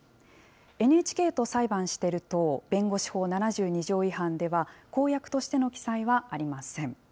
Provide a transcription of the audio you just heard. ＮＨＫと裁判してる党弁護士法７２条違反では、公約としての記載はありません。